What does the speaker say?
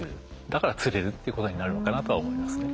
だから釣れるっていうことになるのかなとは思いますね。